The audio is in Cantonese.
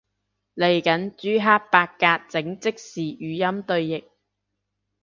嚟緊朱克伯格整即時語音對譯